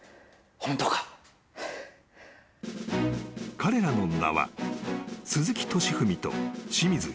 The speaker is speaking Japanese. ［彼らの名は鈴木敏文と清水秀雄］